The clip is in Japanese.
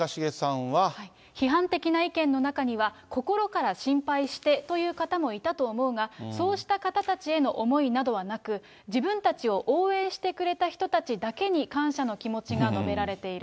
批判的な意見の中には、心から心配してという方もいたと思うが、そうした方たちへの思いなどはなく、自分たちを応援してくれた人たちだけに感謝の気持ちが述べられている。